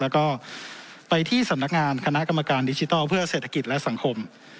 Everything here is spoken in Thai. แล้วก็ไปที่สำนักงานคณะกรรมการดิจิทัลเพื่อเศรษฐกิจและสังคม